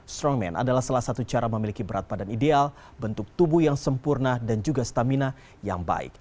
strongman adalah salah satu cara memiliki berat badan ideal bentuk tubuh yang sempurna dan juga stamina yang baik